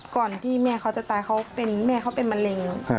ก่อนที่แม่เขาจะตายเขาเป็นแม่เขาเป็นมะเร็ง